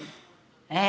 え？